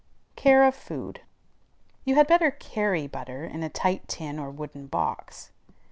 CARE OF FOOD. You had better carry butter in a tight tin or wooden box.